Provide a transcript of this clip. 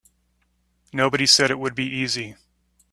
Nobody said it would be easy.